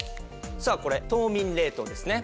さあこれ凍眠冷凍ですね。